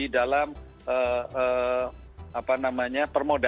kita ingin menggunakan perusahaan yang berbeda